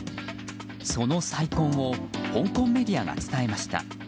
その再婚を香港メディアが伝えました。